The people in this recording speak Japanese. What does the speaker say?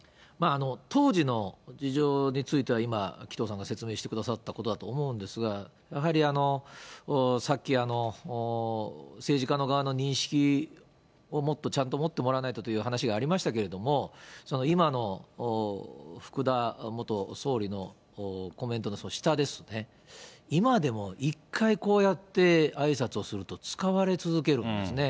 当時の事情については今、紀藤さんが説明してくださったことだと思うんですが、やはりさっき、政治家の側の認識をもっとちゃんと持ってもらわないという話がありましたけれども、今の福田元総理のコメントの下ですね、今でも一回こうやってあいさつをすると使われ続けるんですね。